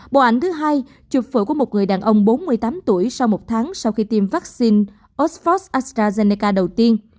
bộ ảnh thứ hai chụp phổi của một người đàn ông bốn mươi tám tuổi sau một tháng sau khi tiêm vaccine osford astrazeneca đầu tiên